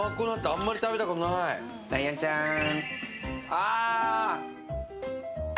ライオンちゃん！